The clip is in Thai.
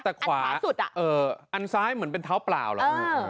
แต่ขวาอันท้ายสุดอ่ะเอออันซ้ายเหมือนเป็นเท้าเปล่าหรอเออ